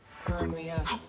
はい。